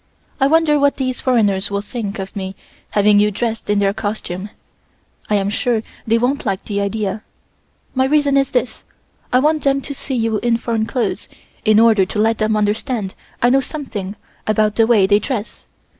I wonder what these foreigners will think of me having you dressed in their costume. I am sure they won't like the idea. My reason is this: I want them to see you in foreign clothes in order to let them understand I know something about the way they dress.